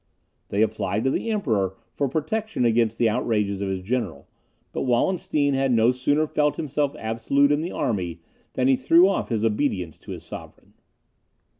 They applied to the Emperor for protection against the outrages of his general; but Wallenstein had no sooner felt himself absolute in the army, than he threw off his obedience to his sovereign.